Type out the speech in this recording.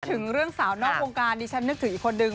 ถึงเรื่องสาวนอกวงการดิฉันนึกถึงอีกคนนึง